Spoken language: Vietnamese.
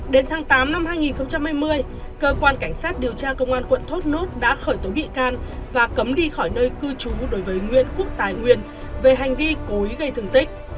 đến tháng tám năm hai nghìn hai mươi cơ quan cảnh sát điều tra công an quận thốt nốt đã khởi tố bị can và cấm đi khỏi nơi cư trú đối với nguyễn quốc tài nguyên về hành vi cố ý gây thương tích